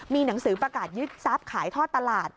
มีหนังสือประกาศยึดทรัพย์ขายทอดตลาด